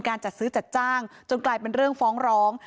จัดซื้อจัดจ้างจนกลายเป็นเรื่องฟ้องร้อง